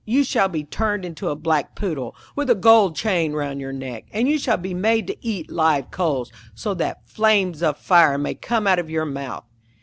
You shall be turned into a black Poodle, with a gold chain round your neck, and you shall be made to eat live coals, so that flames of fire may come out of your mouth.'